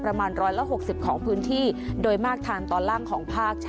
ประมาณร้อยละหกสิบของพื้นที่โดยมากทางตอนล่างของภาค